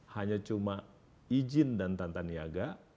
hanya cuma izin dan tata niaga